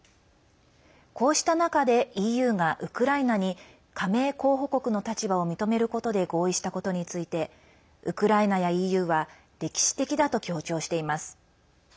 こうした中でＥＵがウクライナに加盟候補国の立場を認めることで合意したことについてウクライナやＥＵは歴史的だと強調しています。